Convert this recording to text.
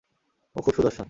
ও খুব সুদর্শন।